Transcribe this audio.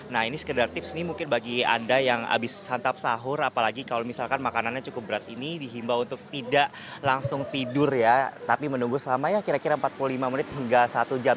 nah ini sekedar tips nih mungkin bagi anda yang habis santap sahur apalagi kalau misalkan makanannya cukup berat ini dihimbau untuk tidak langsung tidur ya tapi menunggu selama ya kira kira empat puluh lima menit hingga satu jam